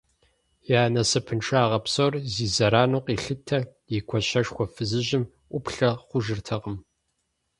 Я насыпыншагъэ псор зи зэрану къилъытэ и гуащэшхуэ фызыжьым ӏуплъэ хъужыртэкъым.